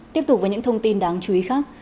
tiếp tục với những thông tin đáng chú ý khác